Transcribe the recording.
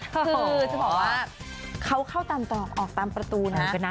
คือจะบอกว่าเขาเข้าตามต่อออกตามประตูนะ